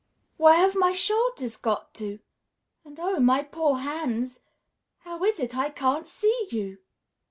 "Where have my shoulders got to? And oh, my poor hands, how is it I can't see you?"